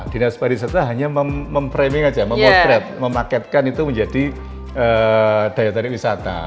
dinas pariwisata hanya memframing aja memotret memaketkan itu menjadi daya tarik wisata